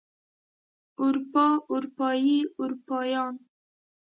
اروپا اروپايي اروپايان